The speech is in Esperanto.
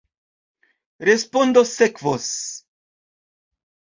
Respondo sekvos.